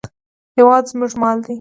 هېواد زموږ مال دی